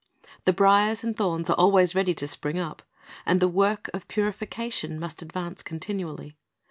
The briers and thorns are always ready to spring up, and the work of purification must advance continually.